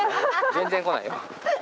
全然来ないよ。